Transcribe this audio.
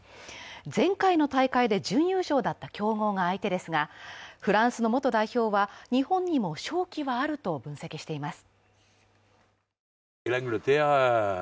前回の大会で準優勝だった強豪が相手ですが、フランスの元代表は日本にも勝機はあると分析しています。